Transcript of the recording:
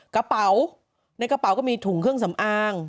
กระเป๋าในกระเป๋าก็มีถุงเครื่องสำอาง